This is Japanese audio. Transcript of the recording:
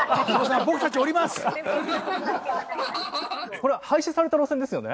これは廃止された路線ですよね？